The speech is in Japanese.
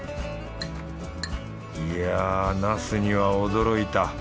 いやナスには驚いた。